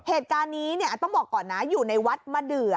เหตุการณ์นี้เนี่ยต้องบอกก่อนนะอยู่ในวัดมะเดือ